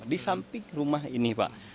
di samping rumah ini pak